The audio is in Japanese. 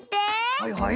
はいはい。